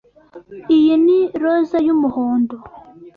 Iyi ni roza y'umuhondo.